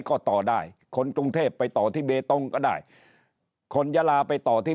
ก็ต่อได้คนกรุงเทพไปต่อที่เบตงก็ได้คนยาลาไปต่อที่